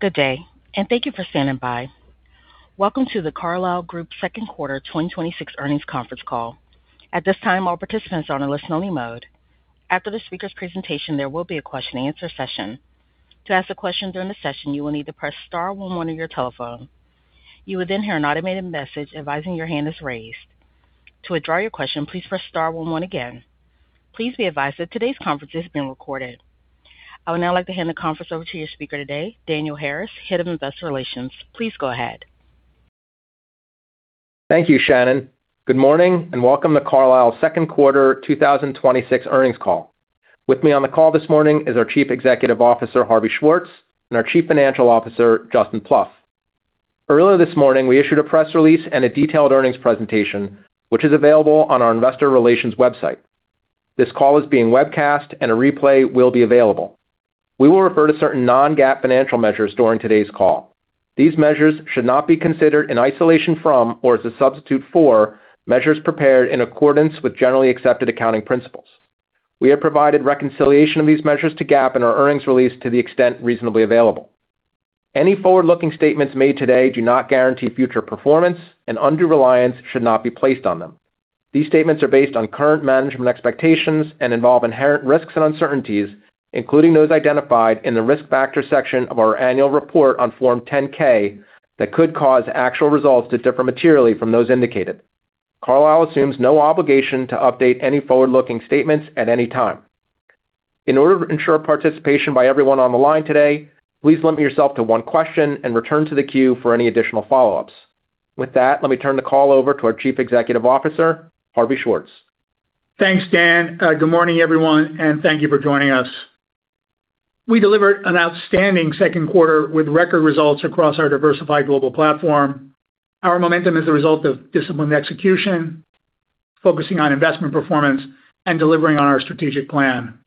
Good day. Thank you for standing by. Welcome to The Carlyle Group Second Quarter 2026 Earnings Conference Call. At this time, all participants are on a listen only mode. After the speaker's presentation, there will be a question and answer session. To ask a question during the session, you will need to press star one on your telephone. You will hear an automated message advising your hand is raised. To withdraw your question, please press star one one again. Please be advised that today's conference is being recorded. I would now like to hand the conference over to your speaker today, Daniel Harris, Head of Investor Relations. Please go ahead. Thank you, Shannon. Good morning and welcome to Carlyle's second quarter 2026 earnings call. With me on the call this morning is our Chief Executive Officer, Harvey Schwartz, and our Chief Financial Officer, Justin Plouffe. Earlier this morning, we issued a press release and a detailed earnings presentation, which is available on our investor relations website. This call is being webcast and a replay will be available. We will refer to certain non-GAAP financial measures during today's call. These measures should not be considered in isolation from or as a substitute for measures prepared in accordance with generally accepted accounting principles. We have provided reconciliation of these measures to GAAP in our earnings release to the extent reasonably available. Any forward-looking statements made today do not guarantee future performance, and undue reliance should not be placed on them. These statements are based on current management expectations and involve inherent risks and uncertainties, including those identified in the Risk Factor section of our annual report on Form 10-K, that could cause actual results to differ materially from those indicated. Carlyle assumes no obligation to update any forward-looking statements at any time. In order to ensure participation by everyone on the line today, please limit yourself to one question and return to the queue for any additional follow-ups. With that, let me turn the call over to our Chief Executive Officer, Harvey Schwartz. Thanks, Dan. Good morning, everyone. Thank you for joining us. We delivered an outstanding second quarter with record results across our diversified global platform. Our momentum is a result of disciplined execution, focusing on investment performance, and delivering on our strategic plan.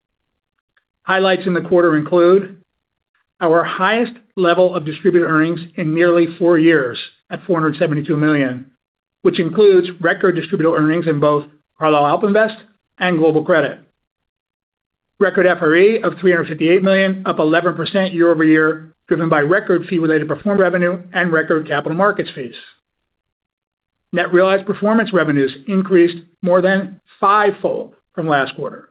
Highlights in the quarter include our highest level of distributable earnings in nearly four years, at $472 million, which includes record distributable earnings in both Carlyle AlpInvest and Global Credit. Record FRE of $358 million, up 11% year-over-year, driven by record fee-related performance revenue and record capital markets fees. Net realized performance revenues increased more than five-fold from last quarter.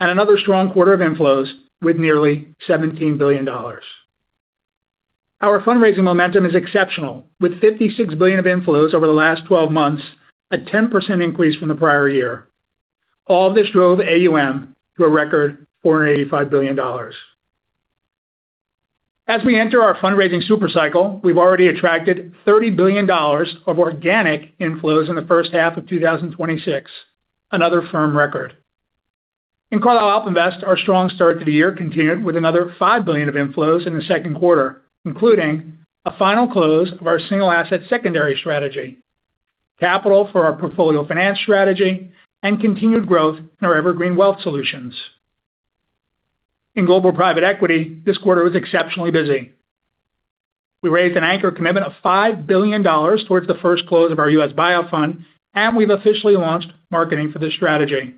Another strong quarter of inflows with nearly $17 billion. Our fundraising momentum is exceptional, with $56 billion of inflows over the last 12 months, a 10% increase from the prior year. All this drove AUM to a record $485 billion. As we enter our fundraising super cycle, we've already attracted $30 billion of organic inflows in the first half of 2026, another firm record. In Carlyle AlpInvest, our strong start to the year continued with another $5 billion of inflows in the second quarter, including a final close of our single asset secondary strategy, capital for our portfolio finance strategy, and continued growth in our evergreen wealth solutions. In Global Private Equity, this quarter was exceptionally busy. We raised an anchor commitment of $5 billion towards the first close of our U.S. buyout fund. We've officially launched marketing for this strategy.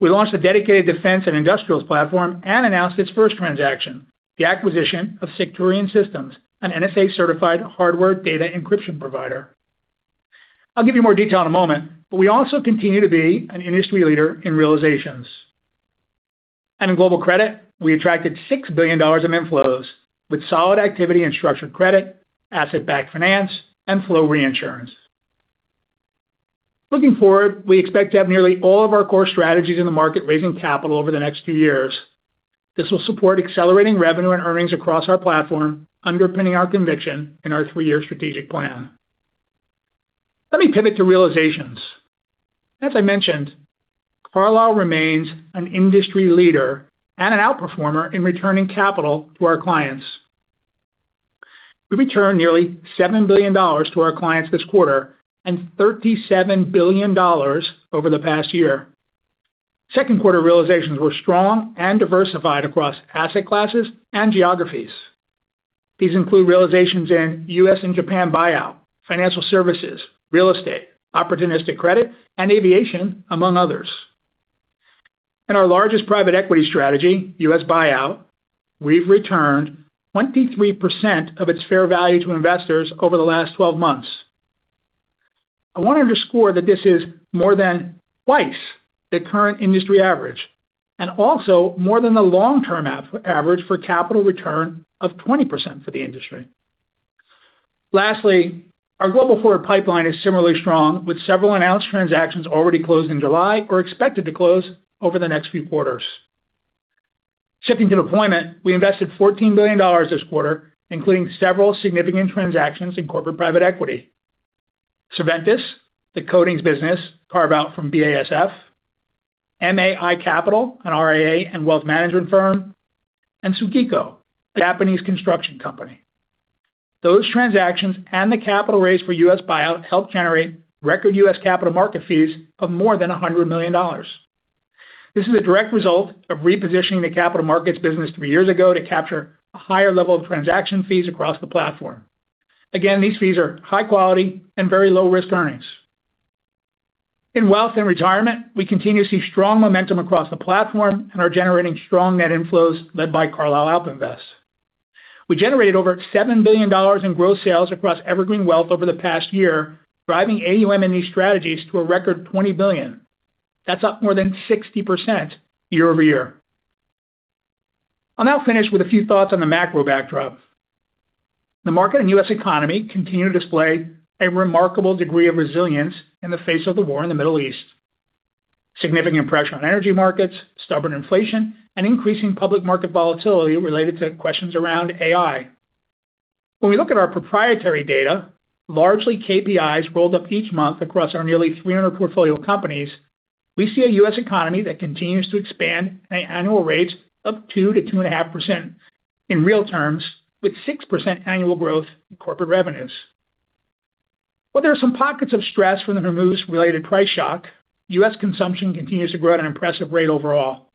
We launched a dedicated defense and industrials platform and announced its first transaction, the acquisition of Secturion Systems, an NSA-certified hardware data encryption provider. I'll give you more detail in a moment. We also continue to be an industry leader in realizations. In Global Credit, we attracted $6 billion in inflows with solid activity in structured credit, asset-backed finance, and flow reinsurance. Looking forward, we expect to have nearly all of our core strategies in the market raising capital over the next few years. This will support accelerating revenue and earnings across our platform, underpinning our conviction in our three-year strategic plan. Let me pivot to realizations. As I mentioned, Carlyle remains an industry leader and an outperformer in returning capital to our clients. We returned nearly $7 billion to our clients this quarter and $37 billion over the past year. Second quarter realizations were strong and diversified across asset classes and geographies. These include realizations in U.S. and Japan buyout, financial services, real estate, opportunistic credit, and aviation, among others. In our largest private equity strategy, U.S. buyout, we've returned 23% of its fair value to investors over the last 12 months. I want to underscore that this is more than twice the current industry average and also more than the long-term average for capital return of 20% for the industry. Lastly, our global forward pipeline is similarly strong, with several announced transactions already closed in July or expected to close over the next few quarters. Shifting to deployment, we invested $14 billion this quarter, including several significant transactions in corporate private equity. Surventis, the coatings business carve-out from BASF, MAI Capital, an RIA and wealth management firm, and SUGIKO, a Japanese construction company. Those transactions and the capital raise for U.S. buyout helped generate record U.S. capital market fees of more than $100 million. This is a direct result of repositioning the capital markets business three years ago to capture a higher level of transaction fees across the platform. Again, these fees are high quality and very low risk earnings. In wealth and retirement, we continue to see strong momentum across the platform and are generating strong net inflows led by Carlyle AlpInvest. We generated over $7 billion in gross sales across evergreen wealth over the past year, driving AUM in these strategies to a record $20 billion. That's up more than 60% year-over-year. I'll now finish with a few thoughts on the macro backdrop. The market and U.S. economy continue to display a remarkable degree of resilience in the face of the war in the Middle East. Significant pressure on energy markets, stubborn inflation, and increasing public market volatility related to questions around AI. When we look at our proprietary data, largely KPIs rolled up each month across our nearly 300 portfolio companies, we see a U.S. economy that continues to expand at annual rates of 2%-2.5% in real terms, with 6% annual growth in corporate revenues. While there are some pockets of stress from the Hormuz-related price shock, U.S. consumption continues to grow at an impressive rate overall.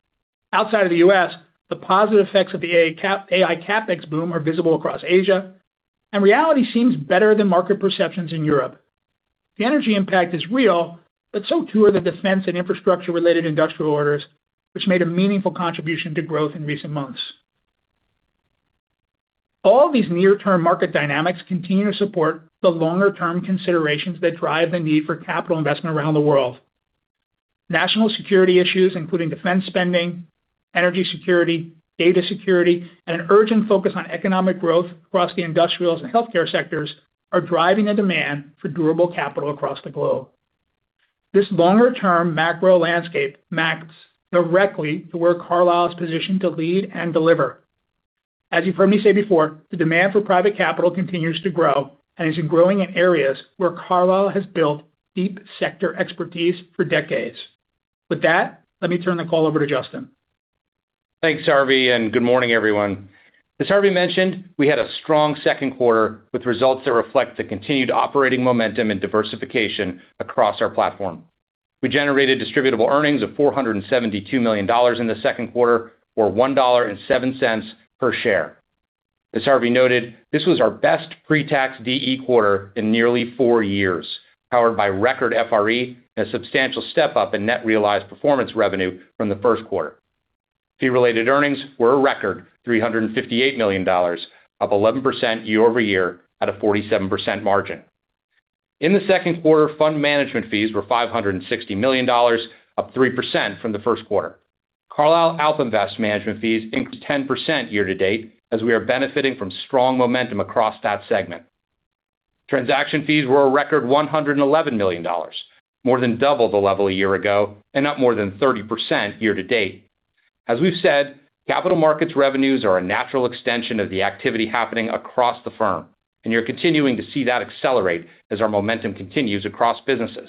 Outside of the U.S., the positive effects of the AI CapEx boom are visible across Asia, and reality seems better than market perceptions in Europe. The energy impact is real, but so too are the defense and infrastructure-related industrial orders, which made a meaningful contribution to growth in recent months. All these near-term market dynamics continue to support the longer-term considerations that drive the need for capital investment around the world. National security issues, including defense spending, energy security, data security, and an urgent focus on economic growth across the industrials and healthcare sectors are driving a demand for durable capital across the globe. This longer-term macro landscape maps directly to where Carlyle is positioned to lead and deliver. As you've heard me say before, the demand for private capital continues to grow and is growing in areas where Carlyle has built deep sector expertise for decades. With that, let me turn the call over to Justin. Thanks, Harvey, good morning, everyone. As Harvey mentioned, we had a strong second quarter with results that reflect the continued operating momentum and diversification across our platform. We generated distributable earnings of $472 million in the second quarter, or $1.07 per share. As Harvey noted, this was our best pre-tax DE quarter in nearly four years, powered by record FRE and a substantial step-up in net realized performance revenue from the first quarter. Fee Related Earnings were a record $358 million, up 11% year-over-year at a 47% margin. In the second quarter, fund management fees were $560 million, up 3% from the first quarter. Carlyle AlpInvest management fees increased 10% year-to-date as we are benefiting from strong momentum across that segment. Transaction fees were a record $111 million, more than double the level a year ago and up more than 30% year-to-date. As we've said, capital markets revenues are a natural extension of the activity happening across the firm, you're continuing to see that accelerate as our momentum continues across businesses.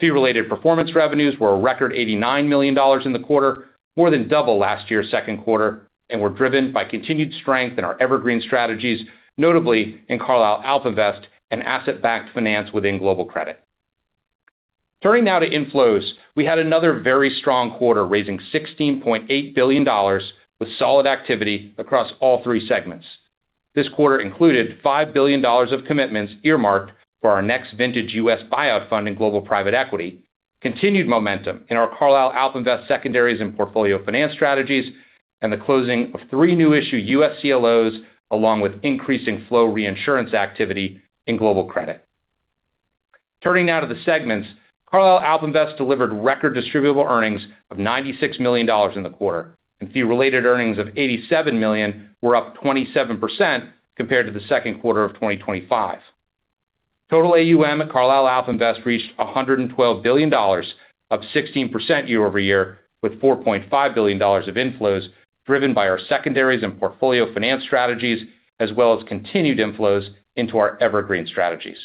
fee related performance revenues were a record $89 million in the quarter, more than double last year's second quarter, and were driven by continued strength in our evergreen strategies, notably in Carlyle AlpInvest and asset-backed finance within Global Credit. Turning now to inflows, we had another very strong quarter, raising $16.8 billion with solid activity across all three segments. This quarter included $5 billion of commitments earmarked for our next vintage U.S. buyout fund in Global Private Equity, continued momentum in our Carlyle AlpInvest secondaries and portfolio finance strategies, and the closing of three new issue U.S. CLOs along with increasing flow reinsurance activity in Global Credit. Turning now to the segments, Carlyle AlpInvest delivered record distributable earnings of $96 million in the quarter. Fee-related earnings of $87 million were up 27% compared to the second quarter of 2025. Total AUM at Carlyle AlpInvest reached $112 billion, up 16% year-over-year, with $4.5 billion of inflows driven by our secondaries and portfolio finance strategies, as well as continued inflows into our evergreen strategies.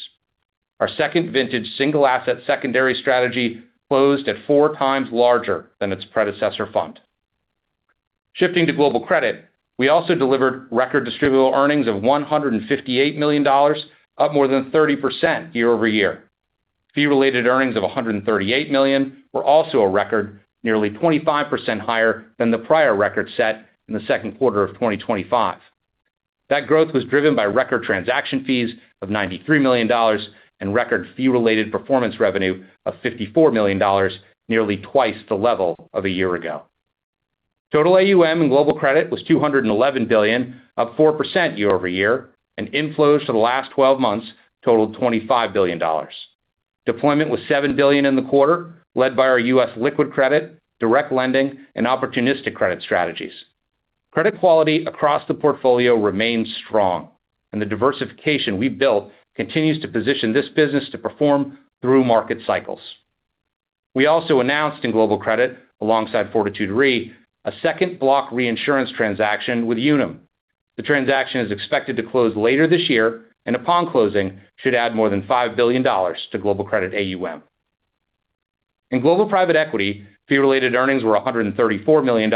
Our second vintage single asset secondary strategy closed at 4x larger than its predecessor fund. Shifting to Global Credit, we also delivered record distributable earnings of $158 million, up more than 30% year-over-year. Fee-related earnings of $138 million were also a record, nearly 25% higher than the prior record set in the second quarter of 2025. That growth was driven by record transaction fees of $93 million and record fee-related performance revenue of $54 million, nearly twice the level of a year ago. Total AUM in Global Credit was $211 billion, up 4% year-over-year, and inflows for the last 12 months totaled $25 billion. Deployment was $7 billion in the quarter, led by our U.S. liquid credit, direct lending, and opportunistic credit strategies. Credit quality across the portfolio remains strong, and the diversification we built continues to position this business to perform through market cycles. We also announced in Global Credit, alongside Fortitude Re, a second block reinsurance transaction with Unum. The transaction is expected to close later this year, and upon closing, should add more than $5 billion to Global Credit AUM. In Global Private Equity, fee-related earnings were $134 million,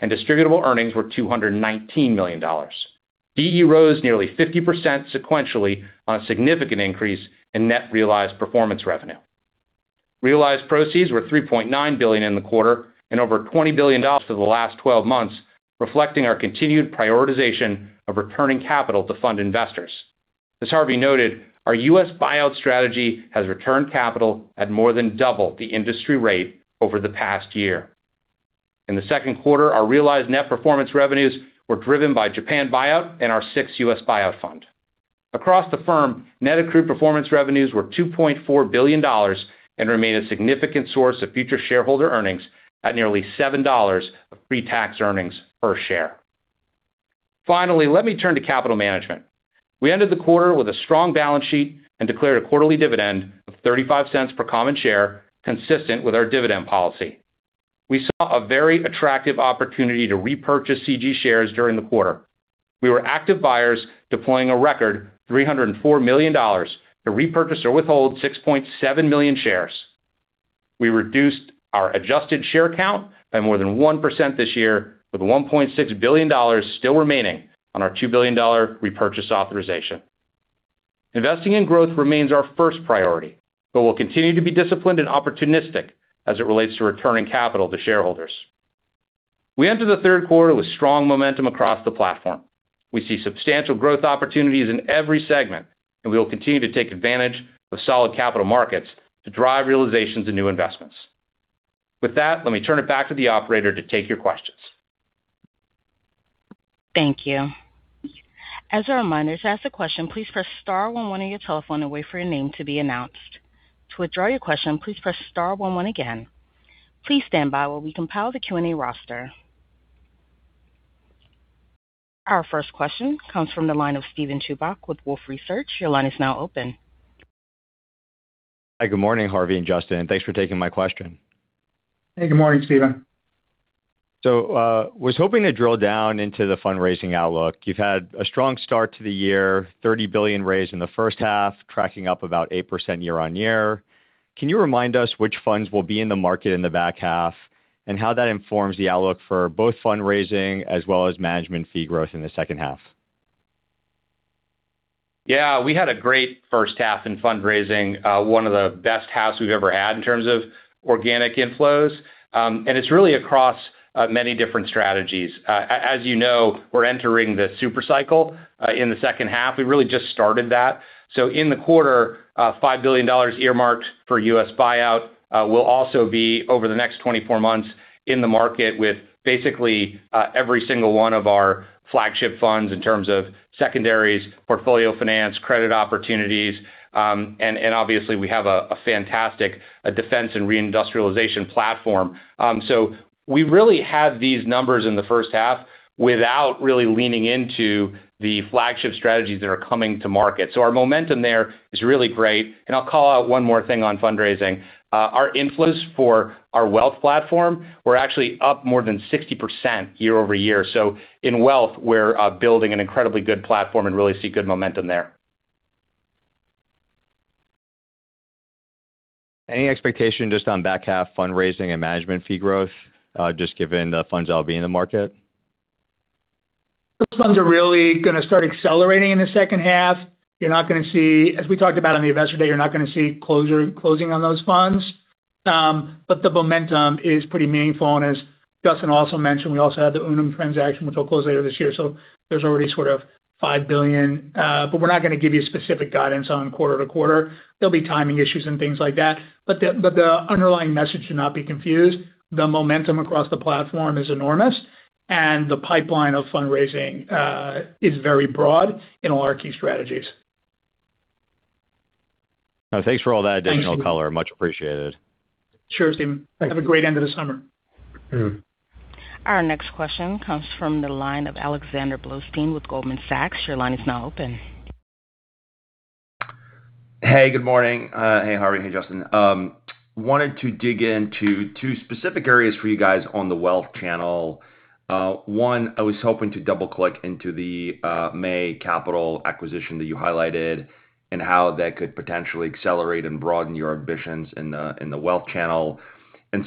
and distributable earnings were $219 million. DE rose nearly 50% sequentially on a significant increase in net realized performance revenue. Realized proceeds were $3.9 billion in the quarter and over $20 billion for the last 12 months, reflecting our continued prioritization of returning capital to fund investors. As Harvey noted, our U.S. buyout strategy has returned capital at more than double the industry rate over the past year. In the second quarter, our realized net performance revenues were driven by Japan buyout and our sixth U.S. buyout fund. Across the firm, net accrued performance revenues were $2.4 billion and remain a significant source of future shareholder earnings at nearly $7 of pre-tax earnings per share. Finally, let me turn to capital management. We ended the quarter with a strong balance sheet and declared a quarterly dividend of $0.35 per common share, consistent with our dividend policy. We saw a very attractive opportunity to repurchase CG shares during the quarter. We were active buyers deploying a record $304 million to repurchase or withhold 6.7 million shares. We reduced our adjusted share count by more than 1% this year, with $1.6 billion still remaining on our $2 billion repurchase authorization. Investing in growth remains our first priority, but we will continue to be disciplined and opportunistic as it relates to returning capital to shareholders. We enter the third quarter with strong momentum across the platform. We see substantial growth opportunities in every segment, and we will continue to take advantage of solid capital markets to drive realizations and new investments. With that, let me turn it back to the operator to take your questions. Thank you. As a reminder, to ask a question, please press star one one on your telephone and wait for your name to be announced. To withdraw your question, please press star one one again. Please stand by while we compile the Q&A roster. Our first question comes from the line of Steven Chubak with Wolfe Research. Your line is now open. Hi. Good morning, Harvey and Justin. Thanks for taking my question. Hey, good morning, Steven. Was hoping to drill down into the fundraising outlook. You've had a strong start to the year, $30 billion raised in the first half, tracking up about 8% year-over-year. Can you remind us which funds will be in the market in the back half, and how that informs the outlook for both fundraising as well as management fee growth in the second half? We had a great first half in fundraising, one of the best halves we've ever had in terms of organic inflows. It's really across many different strategies. As you know, we're entering the super cycle in the second half. We really just started that. In the quarter, $5 billion earmarked for U.S. buyout will also be, over the next 24 months, in the market with basically every single one of our flagship funds in terms of secondaries, portfolio finance, credit opportunities. Obviously we have a fantastic defense and reindustrialization platform. We really had these numbers in the first half without really leaning into the flagship strategies that are coming to market. Our momentum there is really great. I'll call out one more thing on fundraising. Our inflows for our wealth platform were actually up more than 60% year-over-year. In wealth, we're building an incredibly good platform and really see good momentum there. Any expectation just on back half fundraising and management fee growth, just given the funds that will be in the market? Those funds are really going to start accelerating in the second half. As we talked about on the investor day, you're not going to see closing on those funds. The momentum is pretty meaningful. As Justin also mentioned, we also had the Unum transaction, which will close later this year. There's already sort of $5 billion. We're not going to give you specific guidance on quarter-to-quarter. There'll be timing issues and things like that. The underlying message should not be confused. The momentum across the platform is enormous, and the pipeline of fundraising is very broad in all our key strategies. Thanks for all that additional color. Much appreciated. Sure, Steven. Thanks. Have a great end of the summer. Our next question comes from the line of Alexander Blostein with Goldman Sachs. Your line is now open. Hey, good morning. Hey, Harvey. Hey, Justin. Wanted to dig into two specific areas for you guys on the wealth channel. One, I was hoping to double-click into the MAI Capital acquisition that you highlighted and how that could potentially accelerate and broaden your ambitions in the wealth channel.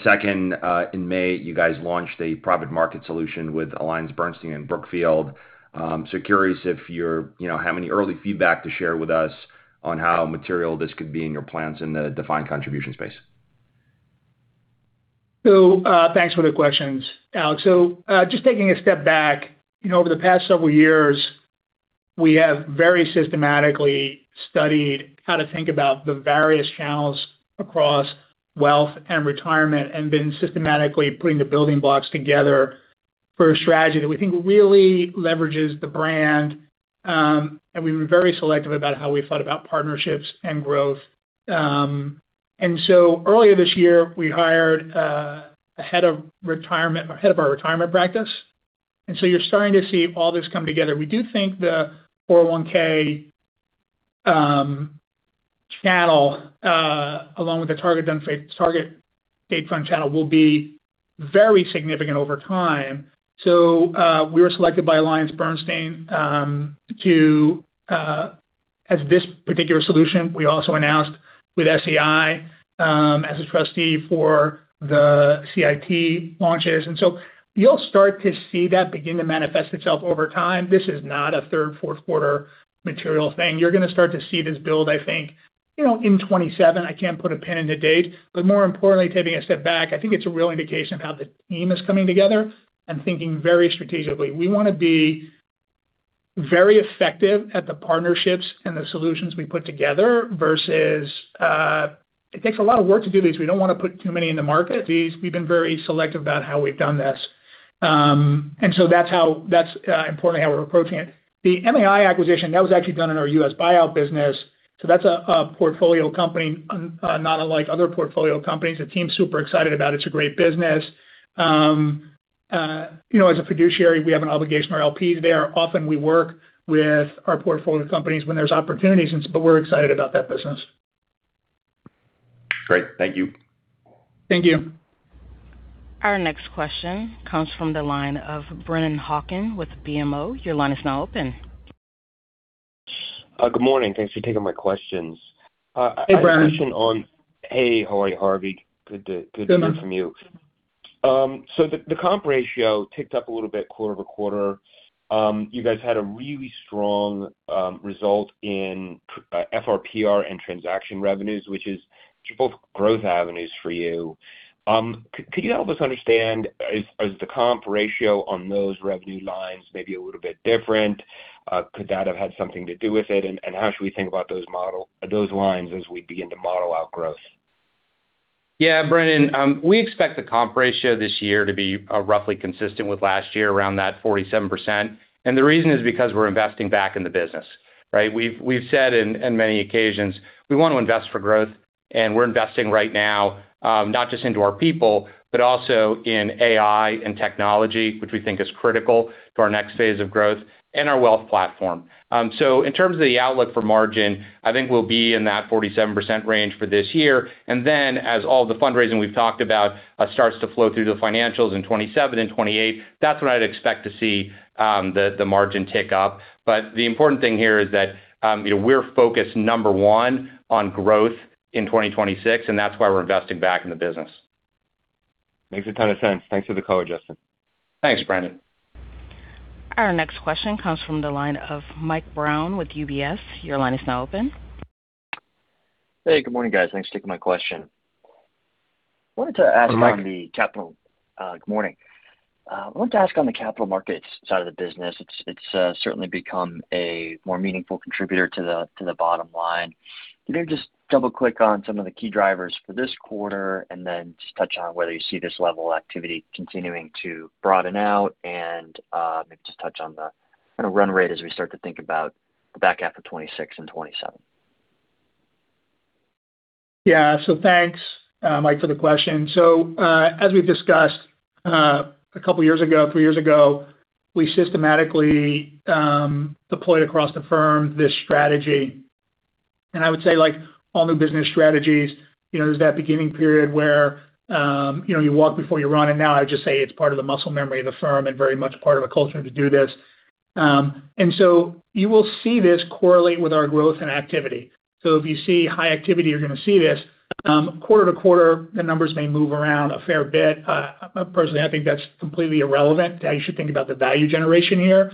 Second, in May, you guys launched a private market solution with AllianceBernstein and Brookfield. Curious if you have any early feedback to share with us on how material this could be in your plans in the defined contribution space. Thanks for the questions, Alex. Just taking a step back, over the past several years, we have very systematically studied how to think about the various channels across wealth and retirement, and been systematically putting the building blocks together for a strategy that we think really leverages the brand. We were very selective about how we thought about partnerships and growth. Earlier this year, we hired a head of our retirement practice. You're starting to see all this come together. We do think the 401(k) channel, along with the target date fund channel, will be very significant over time. We were selected by AllianceBernstein as this particular solution. We also announced with SEI, as a trustee for the CIT launches. You'll start to see that begin to manifest itself over time. This is not a third, fourth quarter material thing. You're going to start to see this build, I think, in 2027. I can't put a pin in a date. More importantly, taking a step back, I think it's a real indication of how the team is coming together and thinking very strategically. We want to be very effective at the partnerships and the solutions we put together, versus it takes a lot of work to do these. We don't want to put too many in the market. We've been very selective about how we've done this. That's importantly how we're approaching it. The MAI acquisition, that was actually done in our U.S. buyout business. So that's a portfolio company, not unlike other portfolio companies. The team's super excited about it. It's a great business. As a fiduciary, we have an obligation to our LPs there. Often we work with our portfolio companies when there's opportunities, we're excited about that business. Great. Thank you. Thank you. Our next question comes from the line of Brennan Hawken with BMO. Your line is now open. Good morning. Thanks for taking my questions. Hey, Brennan. Hey, how are you, Harvey? Good to- Good, man. hear from you. The comp ratio ticked up a little bit quarter-over-quarter. You guys had a really strong result in FRPR and transaction revenues, which is both growth avenues for you. Could you help us understand, is the comp ratio on those revenue lines maybe a little bit different? Could that have had something to do with it? How should we think about those lines as we begin to model out growth? Yeah, Brennan. We expect the comp ratio this year to be roughly consistent with last year, around that 47%. The reason is because we're investing back in the business, right? We've said in many occasions, we want to invest for growth, and we're investing right now, not just into our people, but also in AI and technology, which we think is critical to our next phase of growth, and our wealth platform. In terms of the outlook for margin, I think we'll be in that 47% range for this year. Then as all the fundraising we've talked about starts to flow through the financials in 2027 and 2028, that's when I'd expect to see the margin tick up. The important thing here is that we're focused, number one, on growth in 2026, and that's why we're investing back in the business. Makes a ton of sense. Thanks for the color, Justin. Thanks, Brennan. Our next question comes from the line of Mike Brown with UBS. Your line is now open. Hey, good morning, guys. Thanks for taking my question. Hey, Mike. Good morning. I wanted to ask on the capital markets side of the business. It's certainly become a more meaningful contributor to the bottom line. Can you just double-click on some of the key drivers for this quarter, and then just touch on whether you see this level of activity continuing to broaden out, and maybe just touch on the run rate as we start to think about the back half of 2026 and 2027? Yeah. Thanks, Mike, for the question. As we've discussed, a couple of years ago, three years ago, we systematically deployed across the firm this strategy. I would say all new business strategies, there's that beginning period where you walk before you run, and now I would just say it's part of the muscle memory of the firm and very much part of our culture to do this. You will see this correlate with our growth and activity. If you see high activity, you're going to see this. Quarter-to-quarter, the numbers may move around a fair bit. Personally, I think that's completely irrelevant. I should think about the value generation here.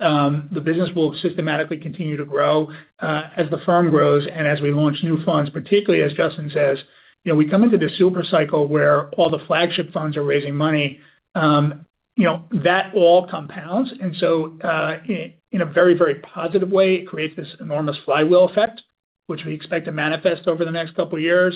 The business will systematically continue to grow as the firm grows, and as we launch new funds. Particularly as Justin says, we come into this super cycle where all the flagship funds are raising money. That all compounds, in a very positive way, it creates this enormous flywheel effect, which we expect to manifest over the next couple of years.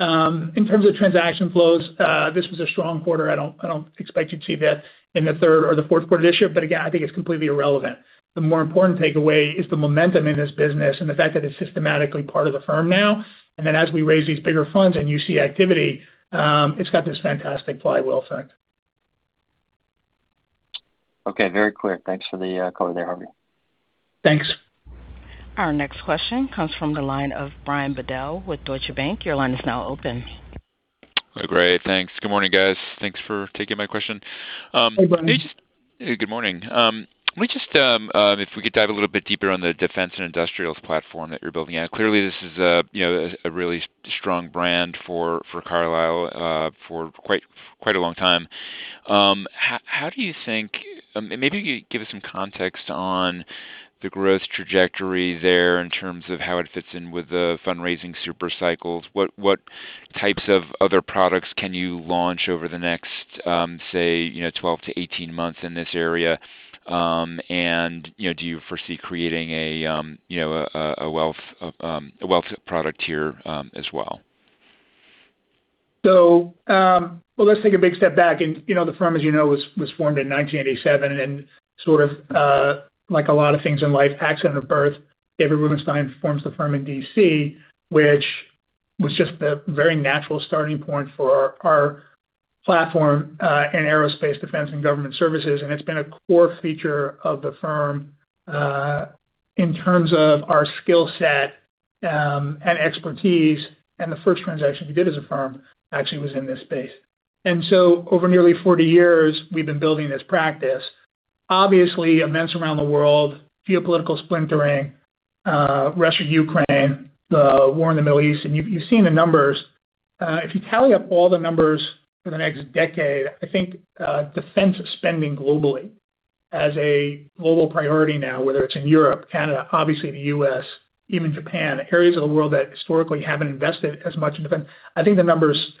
In terms of transaction flows, this was a strong quarter. I don't expect you to see that in the third or the fourth quarter of this year. Again, I think it's completely irrelevant. The more important takeaway is the momentum in this business and the fact that it's systematically part of the firm now. As we raise these bigger funds and you see activity, it's got this fantastic flywheel effect. Okay, very clear. Thanks for the color there, Harvey. Thanks. Our next question comes from the line of Brian Bedell with Deutsche Bank. Your line is now open. Great. Thanks. Good morning, guys. Thanks for taking my question. Hey, Brian. Hey, good morning. If we could dive a little bit deeper on the defense and industrials platform that you're building out. Clearly this is a really strong brand for Carlyle for quite a long time. Maybe you could give us some context on the growth trajectory there in terms of how it fits in with the fundraising super cycles. What types of other products can you launch over the next, say, 12-18 months in this area? Do you foresee creating a wealth product here as well? Well, let's take a big step back. The firm, as you know, was formed in 1987. Like a lot of things in life, accident of birth, David Rubenstein forms the firm in DC, which was just the very natural starting point for our platform in aerospace, defense, and government services. It's been a core feature of the firm in terms of our skill set and expertise. The first transaction we did as a firm actually was in this space. Over nearly 40 years, we've been building this practice. Obviously, events around the world, geopolitical splintering, Russia-Ukraine, the war in the Middle East, you've seen the numbers. If you tally up all the numbers for the next decade, I think defense spending globally as a global priority now, whether it's in Europe, Canada, obviously the U.S., even Japan, areas of the world that historically haven't invested as much in defense, I think the numbers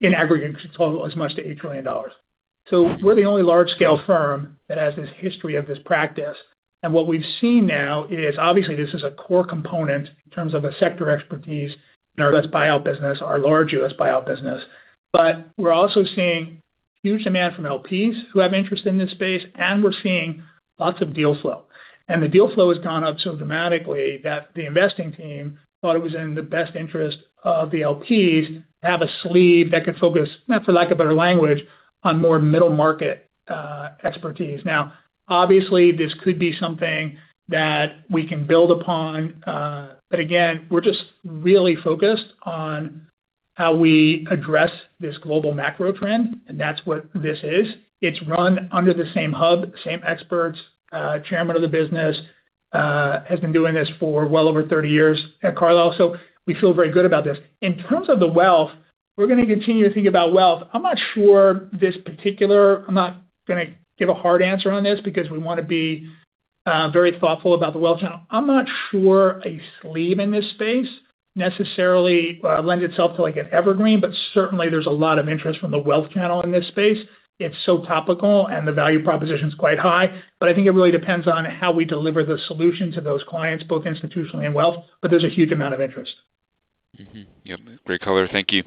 in aggregate could total as much to $8 trillion. We're the only large-scale firm that has this history of this practice. What we've seen now is obviously this is a core component in terms of a sector expertise in our U.S. buyout business, our large U.S. buyout business. We're also seeing huge demand from LPs who have interest in this space, we're seeing lots of deal flow. The deal flow has gone up so dramatically that the investing team thought it was in the best interest of the LPs to have a sleeve that could focus, for lack of better language, on more middle-market expertise. Obviously, this could be something that we can build upon. Again, we're just really focused on how we address this global macro trend, and that's what this is. It's run under the same hub, same experts, chairman of the business has been doing this for well over 30 years at Carlyle. We feel very good about this. In terms of the wealth, we're going to continue to think about wealth. I'm not going to give a hard answer on this because we want to be very thoughtful about the wealth channel. I'm not sure a sleeve in this space necessarily lends itself to an evergreen, certainly, there's a lot of interest from the wealth channel in this space. It's so topical, the value proposition is quite high. I think it really depends on how we deliver the solution to those clients, both institutionally and wealth. There's a huge amount of interest. Mm-hmm. Yep. Great color. Thank you.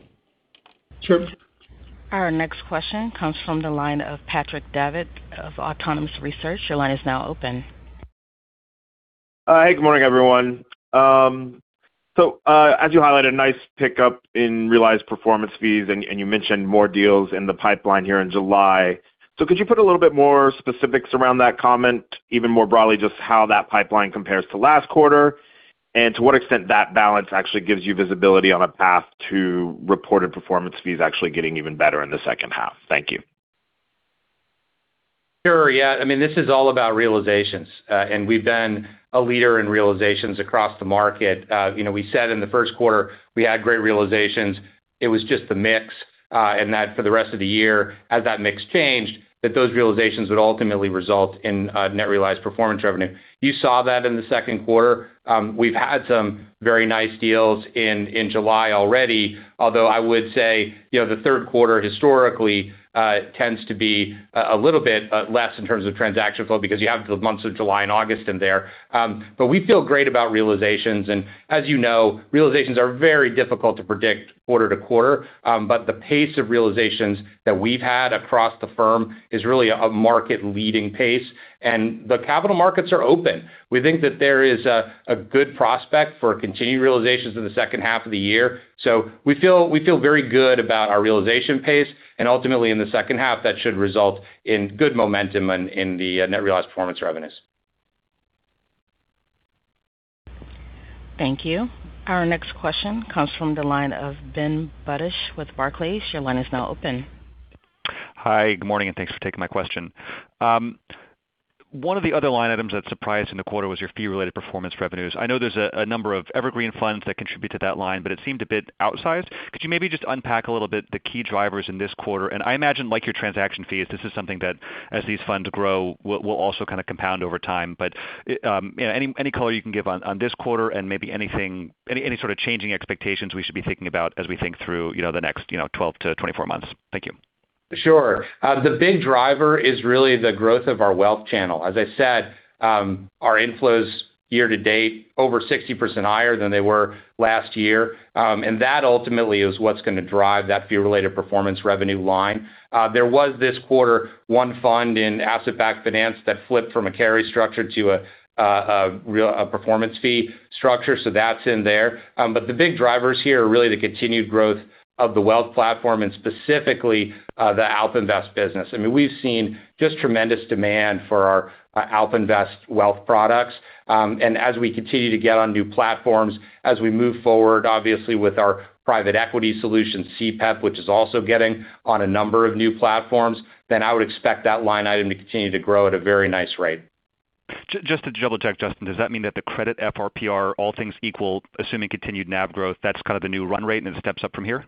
Sure. Our next question comes from the line of Patrick Davitt of Autonomous Research. Your line is now open. Hi, good morning, everyone. As you highlighted, nice pickup in realized performance fees. You mentioned more deals in the pipeline here in July. Could you put a little bit more specifics around that comment, even more broadly, just how that pipeline compares to last quarter? To what extent that balance actually gives you visibility on a path to reported performance fees actually getting even better in the second half? Thank you. Sure. Yeah. This is all about realizations. We've been a leader in realizations across the market. We said in the first quarter we had great realizations. It was just the mix. That for the rest of the year, as that mix changed, those realizations would ultimately result in net realized performance revenue. You saw that in the second quarter. We've had some very nice deals in July already, although I would say the third quarter historically tends to be a little bit less in terms of transaction flow because you have the months of July and August in there. We feel great about realizations, and as you know, realizations are very difficult to predict quarter to quarter. The pace of realizations that we've had across the firm is really a market-leading pace, the capital markets are open. We think that there is a good prospect for continued realizations in the second half of the year. We feel very good about our realization pace, and ultimately in the second half, that should result in good momentum in the net realized performance revenues. Thank you. Our next question comes from the line of Ben Budish with Barclays. Your line is now open. Hi, good morning, thanks for taking my question. One of the other line items that surprised in the quarter was your fee-related performance revenues. I know there's a number of evergreen funds that contribute to that line, but it seemed a bit outsized. Could you maybe just unpack a little bit the key drivers in this quarter? I imagine, like your transaction fees, this is something that, as these funds grow, will also kind of compound over time. Any color you can give on this quarter and maybe any sort of changing expectations we should be thinking about as we think through the next 12-24 months. Thank you. Sure. The big driver is really the growth of our wealth channel. As I said, our inflows year-to-date over 60% higher than they were last year. That ultimately is what's going to drive that fee-related performance revenue line. There was this quarter one fund in asset-backed finance that flipped from a carry structure to a performance fee structure, so that's in there. The big drivers here are really the continued growth of the wealth platform and specifically the AlpInvest business. We've seen just tremendous demand for our AlpInvest wealth products. As we continue to get on new platforms, as we move forward, obviously with our private equity solution, CPEP, which is also getting on a number of new platforms, I would expect that line item to continue to grow at a very nice rate. Just to double-check, Justin, does that mean that the credit FRPR, all things equal, assuming continued NAV growth, that's kind of the new run rate and it steps up from here?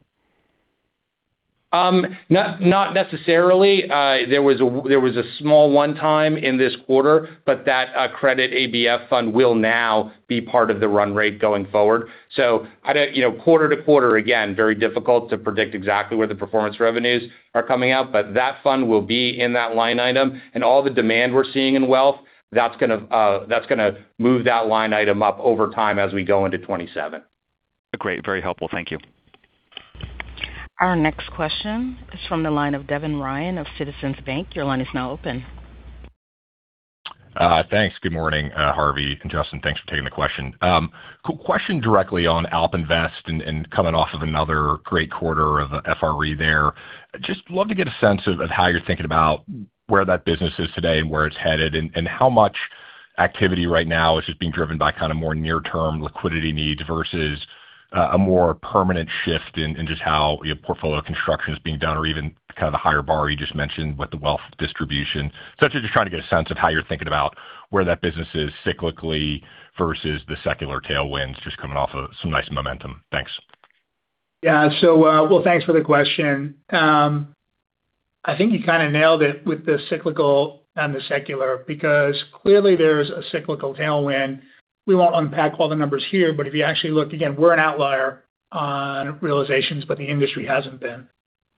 Not necessarily. There was a small one-time in this quarter, but that credit ABF fund will now be part of the run rate going forward. Quarter-to-quarter, again, very difficult to predict exactly where the performance revenues are coming out, but that fund will be in that line item and all the demand we're seeing in wealth, that's going to move that line item up over time as we go into 2027. Great. Very helpful. Thank you. Our next question is from the line of Devin Ryan of Citizens Bank. Your line is now open. Thanks. Good morning, Harvey and Justin. Thanks for taking the question. Question directly on AlpInvest and coming off of another great quarter of FRE there. Just love to get a sense of how you're thinking about where that business is today and where it's headed, and how much activity right now is just being driven by kind of more near-term liquidity needs versus a more permanent shift in just how portfolio construction is being done or even kind of the higher bar you just mentioned with the wealth distribution. I'm just trying to get a sense of how you're thinking about where that business is cyclically versus the secular tailwinds just coming off of some nice momentum. Thanks. Yeah. Well, thanks for the question. I think you kind of nailed it with the cyclical and the secular, because clearly there's a cyclical tailwind. We won't unpack all the numbers here, but if you actually look, again, we're an outlier on realizations, but the industry hasn't been.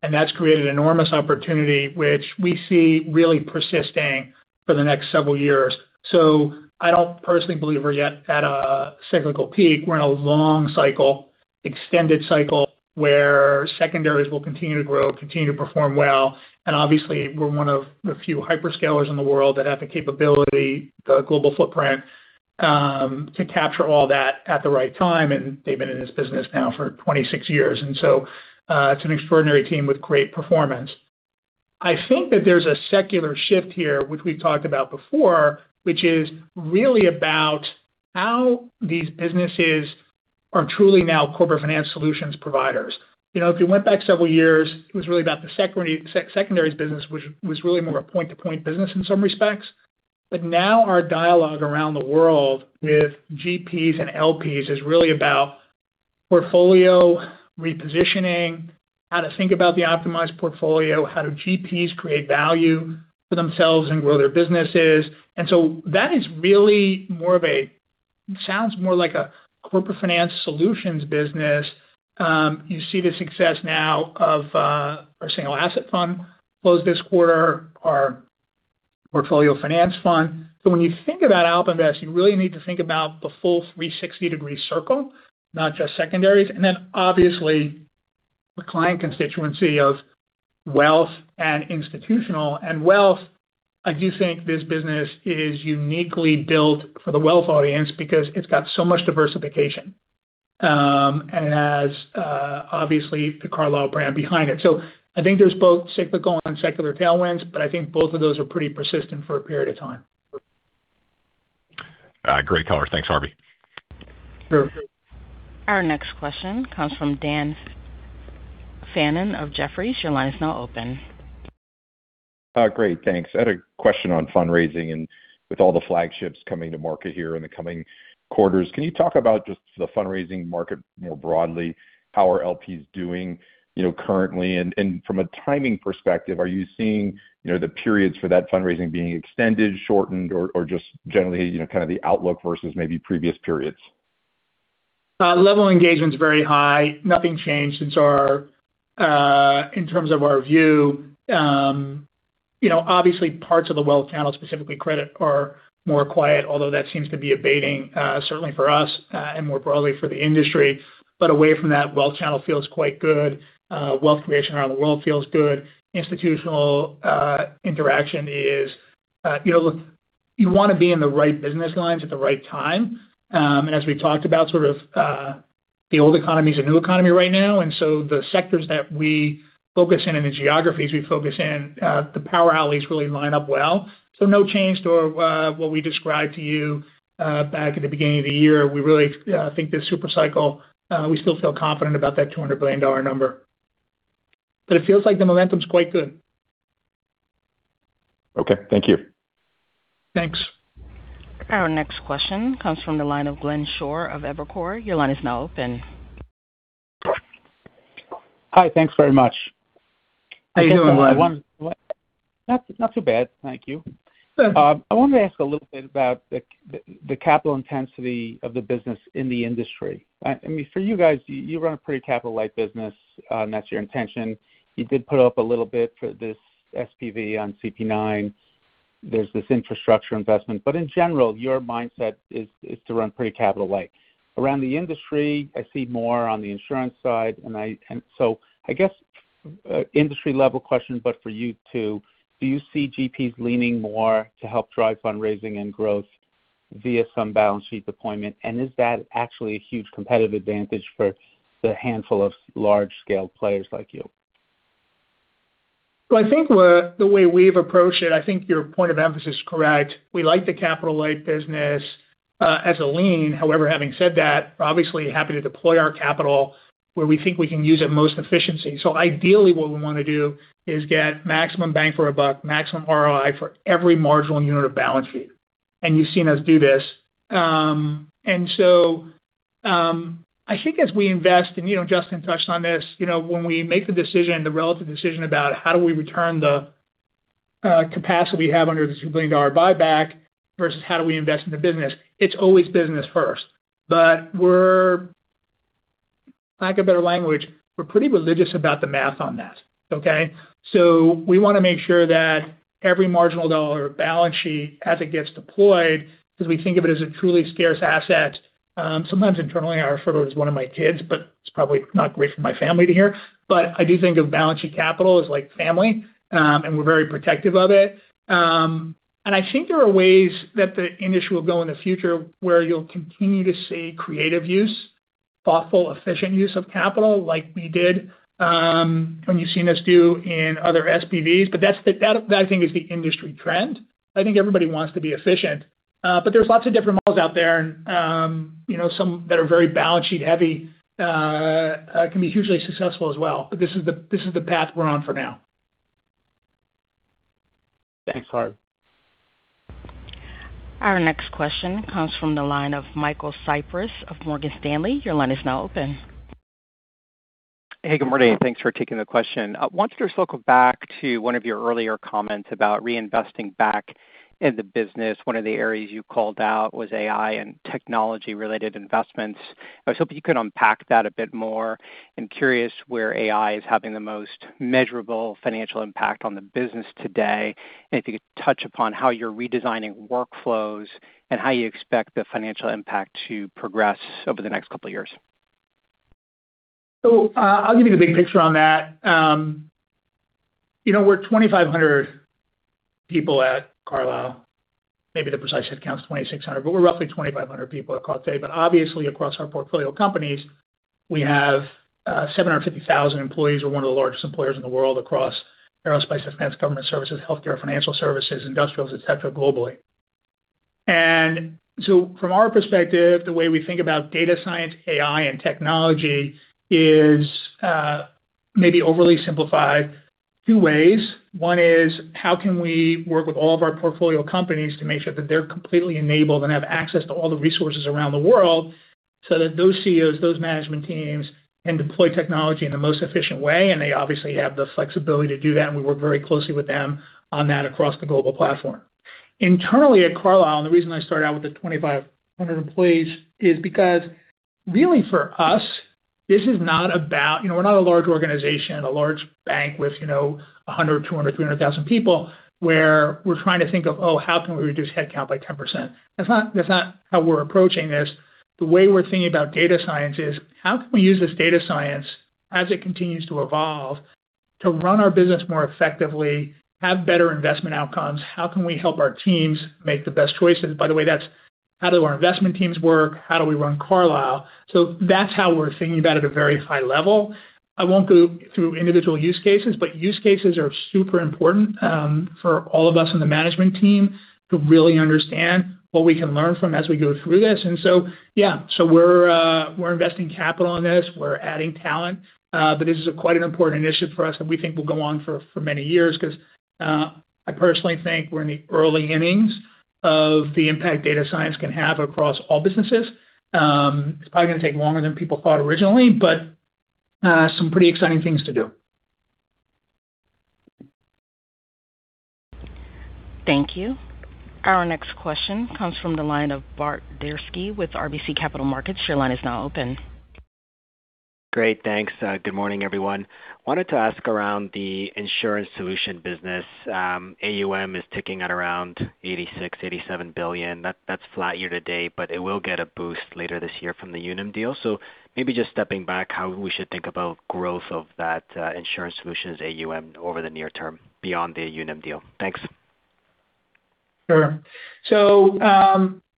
That's created enormous opportunity, which we see really persisting for the next several years. I don't personally believe we're yet at a cyclical peak. We're in a long cycle, extended cycle, where secondaries will continue to grow, continue to perform well. Obviously we're one of the few hyperscalers in the world that have the capability, the global footprint, to capture all that at the right time, and they've been in this business now for 26 years. It's an extraordinary team with great performance. I think that there's a secular shift here, which we've talked about before, which is really about how these businesses are truly now corporate finance solutions providers. If you went back several years, it was really about the secondaries business, which was really more a point-to-point business in some respects. Now our dialogue around the world with GPs and LPs is really about portfolio repositioning, how to think about the optimized portfolio, how do GPs create value for themselves and grow their businesses. That is really more of a, sounds more like a corporate finance solutions business. You see the success now of our single asset fund closed this quarter, our portfolio finance fund. When you think about AlpInvest, you really need to think about the full 360-degree circle, not just secondaries. Obviously the client constituency of wealth and institutional. Wealth, I do think this business is uniquely built for the wealth audience because it's got so much diversification, and it has, obviously the Carlyle brand behind it. I think there's both cyclical and secular tailwinds, but I think both of those are pretty persistent for a period of time. Great color. Thanks, Harvey. Sure. Our next question comes from Dan Fannon of Jefferies. Your line is now open. Great. Thanks. I had a question on fundraising. With all the flagships coming to market here in the coming quarters, can you talk about just the fundraising market more broadly? How are LPs doing currently? From a timing perspective, are you seeing the periods for that fundraising being extended, shortened or just generally, kind of the outlook versus maybe previous periods? Level of engagement's very high. Nothing changed in terms of our view. Obviously parts of the wealth channel, specifically credit, are more quiet, although that seems to be abating, certainly for us, and more broadly for the industry. Away from that, wealth channel feels quite good. Wealth creation around the world feels good. Institutional interaction is Look, you want to be in the right business lines at the right time. As we talked about, sort of the old economy is a new economy right now. The sectors that we focus in and the geographies we focus in, the power alleys really line up well. No change to what we described to you back at the beginning of the year. We really think this super cycle, we still feel confident about that $200 billion number. It feels like the momentum's quite good. Okay. Thank you. Thanks. Our next question comes from the line of Glenn Schorr of Evercore. Your line is now open. Hi. Thanks very much. How you doing, Glenn? Not too bad. Thank you. Good. I wanted to ask a little bit about the capital intensity of the business in the industry. For you guys, you run a pretty capital-light business, and that's your intention. You did put up a little bit for this SPV on CP IX. There's this infrastructure investment, but in general, your mindset is to run pretty capital light. Around the industry, I see more on the insurance side. I guess, industry level question, but for you, too. Do you see GPs leaning more to help drive fundraising and growth via some balance sheet deployment? Is that actually a huge competitive advantage for the handful of large-scale players like you? I think the way we've approached it, I think your point of emphasis is correct. We like the capital-light business as a lean. However, having said that, we're obviously happy to deploy our capital where we think we can use it most efficiently. Ideally what we want to do is get maximum bang for our buck, maximum ROI for every marginal unit of balance sheet. You've seen us do this. I think as we invest, and Justin touched on this, when we make the decision, the relative decision about how do we return the capacity we have under this $2 billion buyback versus how do we invest in the business, it's always business first. We're, for lack of better language, we're pretty religious about the math on that. Okay? We want to make sure that every marginal dollar of balance sheet as it gets deployed, because we think of it as a truly scarce asset. Sometimes internally I refer to it as one of my kids, but it's probably not great for my family to hear. I do think of balance sheet capital as like family, and we're very protective of it. I think there are ways that the industry will go in the future where you'll continue to see creative use, thoughtful, efficient use of capital like we did, and you've seen us do in other SPVs. That, I think, is the industry trend. I think everybody wants to be efficient. There's lots of different models out there and some that are very balance sheet heavy can be hugely successful as well. This is the path we're on for now. Thanks, Harvey. Our next question comes from the line of Michael Cyprys of Morgan Stanley. Your line is now open. Hey, good morning. Thanks for taking the question. Wanted to just look back to one of your earlier comments about reinvesting back in the business. One of the areas you called out was AI and technology-related investments. I was hoping you could unpack that a bit more. I'm curious where AI is having the most measurable financial impact on the business today, and if you could touch upon how you're redesigning workflows and how you expect the financial impact to progress over the next couple of years. I'll give you the big picture on that. We're 2,500 people at Carlyle. Maybe the precise head count's 2,600, but we're roughly 2,500 people at Carlyle. Obviously, across our portfolio companies, we have 750,000 employees. We're one of the largest employers in the world across aerospace, defense, government services, healthcare, financial services, industrials, et cetera, globally. From our perspective, the way we think about data science, AI, and technology is, maybe overly simplified, two ways. One is how can we work with all of our portfolio companies to make sure that they're completely enabled and have access to all the resources around the world so that those CEOs, those management teams can deploy technology in the most efficient way. They obviously have the flexibility to do that, and we work very closely with them on that across the global platform. Internally at Carlyle, the reason I started out with the 2,500 employees, is because really for us, this is not about We're not a large organization, a large bank with 100, 200, 300,000 people where we're trying to think of, oh, how can we reduce headcount by 10%? That's not how we're approaching this. The way we're thinking about data science is, how can we use this data science as it continues to evolve to run our business more effectively, have better investment outcomes? How can we help our teams make the best choices? By the way, that's how do our investment teams work? How do we run Carlyle? That's how we're thinking about it at a very high level. I won't go through individual use cases, use cases are super important for all of us on the management team to really understand what we can learn from as we go through this. Yeah. We're investing capital in this. We're adding talent. This is quite an important initiative for us, and we think will go on for many years because, I personally think we're in the early innings of the impact data science can have across all businesses. It's probably going to take longer than people thought originally, but some pretty exciting things to do. Thank you. Our next question comes from the line of Bart Dziarski with RBC Capital Markets. Your line is now open. Great, thanks. Good morning, everyone. I wanted to ask around the insurance solution business. AUM is ticking at around $86 billion, $87 billion. That's flat year-to-date, but it will get a boost later this year from the Unum deal. Maybe just stepping back, how we should think about growth of that insurance solutions AUM over the near term beyond the Unum deal. Thanks. Sure.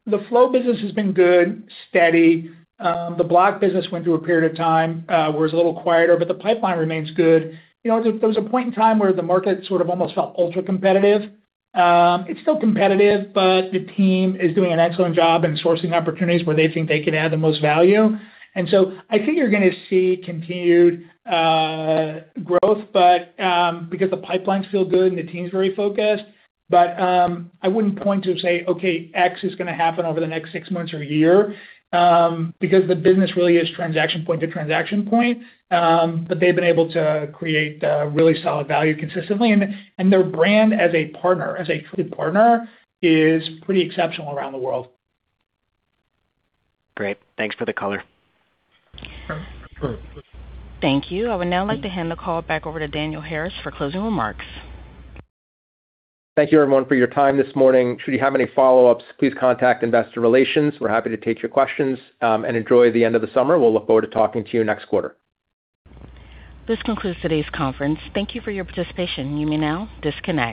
The flow business has been good, steady. The block business went through a period of time where it was a little quieter, but the pipeline remains good. There was a point in time where the market sort of almost felt ultra-competitive. It's still competitive, but the team is doing an excellent job in sourcing opportunities where they think they can add the most value. I think you're going to see continued growth, because the pipelines feel good and the team's very focused. I wouldn't point to say, okay, X is going to happen over the next six months or a year, because the business really is transaction point to transaction point. They've been able to create really solid value consistently, and their brand as a partner, as a true partner, is pretty exceptional around the world. Great. Thanks for the color. Thank you. I would now like to hand the call back over to Daniel Harris for closing remarks. Thank you everyone for your time this morning. Should you have any follow-ups, please contact investor relations. We're happy to take your questions. Enjoy the end of the summer. We'll look forward to talking to you next quarter. This concludes today's conference. Thank you for your participation. You may now disconnect.